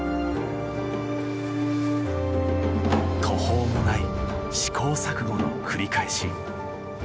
途方もない試行錯誤の繰り返し。